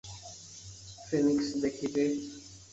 Phoenix দেখি যে!